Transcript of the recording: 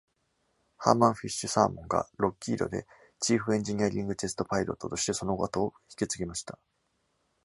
ハーマン・フィッシュ」・サーモンが、ロッキードでチーフ・エンジニアリング・テスト・パイロットとしてその後を引き継ぎました。